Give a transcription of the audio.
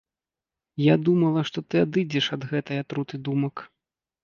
Я думала, што ты адыдзеш ад гэтай атруты думак.